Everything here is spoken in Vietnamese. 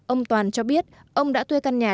ông toàn cho biết ông đã thuê căn nhà